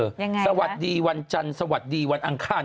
ยังไงสวัสดีวันจันทร์สวัสดีวันอังคาร